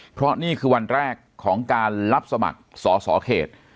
เพราะนี่คือวันแรกของการรับสมัครสอสอเขต